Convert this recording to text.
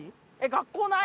学校ない！